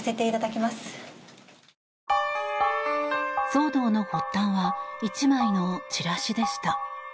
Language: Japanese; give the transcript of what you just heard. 騒動の発端は１枚のチラシでした。